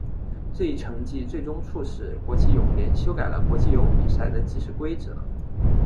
这一成绩最终促使国际泳联修改了国际游泳比赛中的计时规则。